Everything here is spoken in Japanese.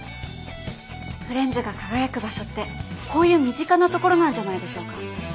フレンズが輝く場所ってこういう身近なところなんじゃないでしょうか。